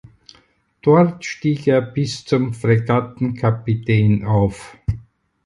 Dort stieg er bis zum Fregattenkapitän auf.